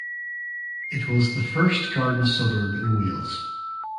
It was the first garden suburb in Wales.